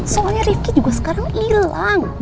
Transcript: soalnya rifki juga sekarang hilang